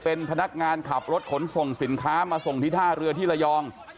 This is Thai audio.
เป็นพนักงานขับรถขนส่งสินค้ามาส่งที่ท่าเรือที่ระยอง